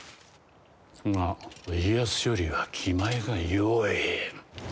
が家康よりは気前がよい。